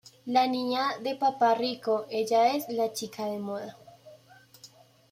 La "niña de papá rico", ella es la chica de moda.